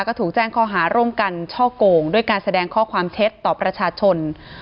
ก็ถูกแจ้งข้อหาร่วมกันช่อโกงด้วยการแสดงข้อความเท็จต่อประชาชน